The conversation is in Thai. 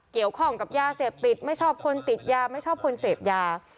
เกี่ยวข้องกับยาเสพติดไม่ชอบคนติดยาไม่ชอบคนเสพยา